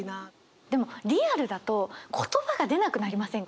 でもリアルだと言葉が出なくなりませんか？